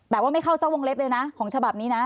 แต่ว่าไม่เข้าสักวงเล็บเลยนะของฉบับนี้นะ